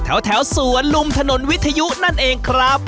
แถวสวนลุมถนนวิทยุนั่นเองครับ